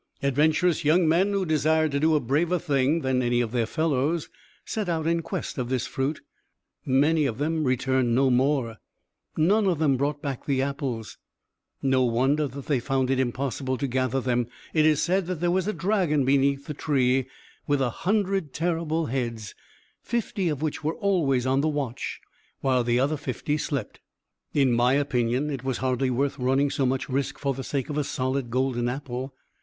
Adventurous young men, who desired to do a braver thing than any of their fellows, set out in quest of this fruit. Many of them returned no more; none of them brought back the apples. No wonder that they found it impossible to gather them! It is said that there was a dragon beneath the tree, with a hundred terrible heads, fifty of which were always on the watch, while the other fifty slept. In my opinion it was hardly worth running so much risk for the sake of a solid golden apple.